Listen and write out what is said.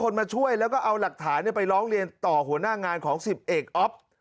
มาช่วยแล้วก็เอาหลักฐานไปร้องเรียนต่อหัวหน้างานของ๑๐เอกอ๊อฟ